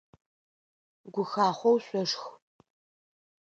Гухахъоу шъошх!